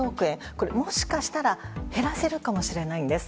これ、もしかしたら減らせるかもしれないんです。